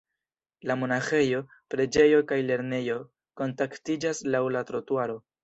La monaĥejo, preĝejo kaj lernejo kontaktiĝas laŭ la trotuaro.